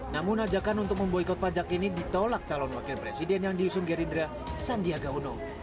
namun ajakan untuk memboykot pajak ini ditolak calon wakil presiden yang diusung gerindra sandiaga uno